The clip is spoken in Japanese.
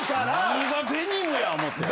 何がデニムや思て。